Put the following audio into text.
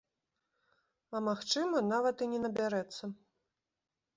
А магчыма, нават і не набярэцца.